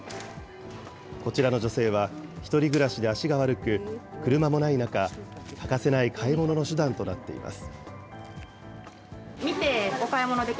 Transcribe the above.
こちらの女性は、１人暮らしで足が悪く、車もない中、欠かせない買い物の手段となっています。